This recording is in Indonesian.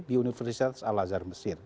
di universitas al azhar mesir